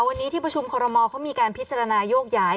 วันนี้ที่ประชุมคอรมอลเขามีการพิจารณาโยกย้าย